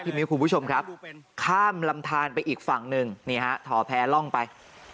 ทีมีวคุณผู้ชมครับข้ามลำทานไปอีกฝั่งนึงทอแพร่ลองไป